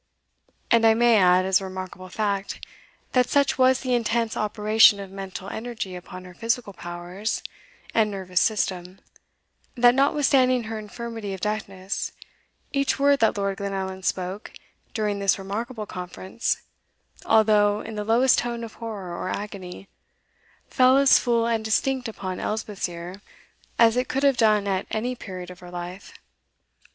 And I may add, as a remarkable fact, that such was the intense operation of mental energy upon her physical powers and nervous system, that, notwithstanding her infirmity of deafness, each word that Lord Glenallan spoke during this remarkable conference, although in the lowest tone of horror or agony, fell as full and distinct upon Elspeth's ear as it could have done at any period of her life.